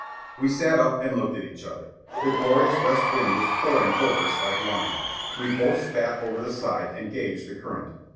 We sat up and looked at each other. The glorious west wind was pouring over us like wine. We both spat over the side and gauged the current.